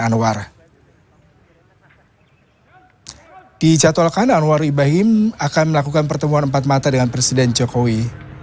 anwarkan anwar ibrahim akan melakukan pertemuan empat mata dengan presiden jokowi